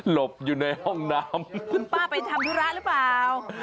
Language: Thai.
อยู่ในห้องน้ำคุณป้าไปทำธุระหรือเปล่า